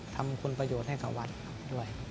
ทำคุณประโยชน์ให้กับวัดด้วย